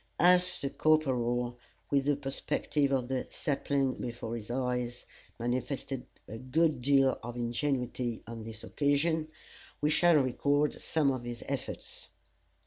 As the corporal, with the perspective of the saplings before his eyes, manifested a good deal of ingenuity on this occasion, we shall record some of his efforts.